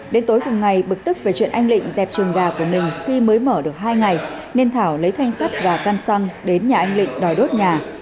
đến tối cùng ngày bực tức về chuyện anh lịnh dẹp trường gà của mình khi mới mở được hai ngày nên thảo lấy thanh sắt và căn xăng đến nhà anh lịnh đòi đốt nhà